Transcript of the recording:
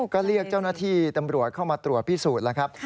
ก็เรียกเจ้าหน้าที่ตำรวจเข้ามาตรวจพิสูจน์แล้วครับ